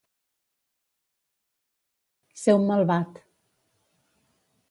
Ser un malvat.